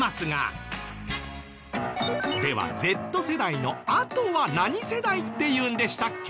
ではＺ世代のあとは何世代って言うんでしたっけ？